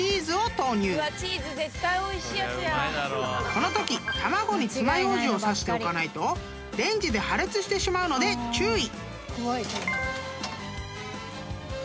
［このとき卵につまようじを刺しておかないとレンジで破裂してしまうので注意！］